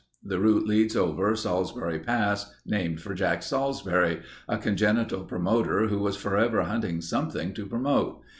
The route leads over Salsbury Pass, named for Jack Salsbury—a congenital promoter who was forever hunting something to promote.